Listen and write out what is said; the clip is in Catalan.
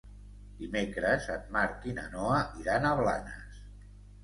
Dimecres en Marc i na Noa iran a Blanes.